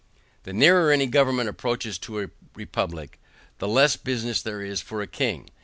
The nearer any government approaches to a republic the less business there is for a king.